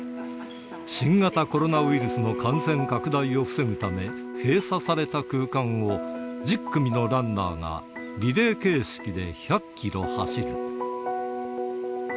新型コロナウイルスの感染拡大を防ぐため、閉鎖された空間を１０組のランナーがリレー形式で１００キロ走る。